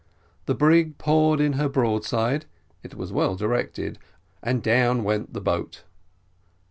The brig poured in her broadside it was well directed, and down went the boat.